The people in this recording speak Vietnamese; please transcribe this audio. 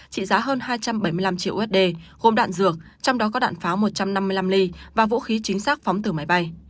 trị giá hơn hai trăm bảy mươi năm triệu usd gồm đạn dược trong đó có đạn pháo một trăm năm mươi năm ly và vũ khí chính xác phóng từ máy bay